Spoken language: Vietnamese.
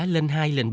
lên hai lên ba